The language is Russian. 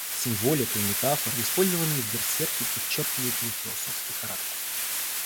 Символика и метафоры, использованные в Берсерке, подчеркивают его философский характер.